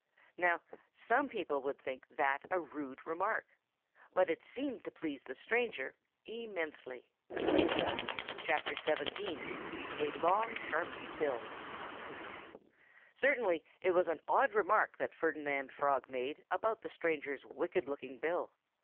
Now, some people would think that a rude remark. But it seemed to please the stranger immensely. XVII A LONG, SHARP BILL Certainly it was an odd remark that Ferdinand Frog made about the stranger's wicked looking bill.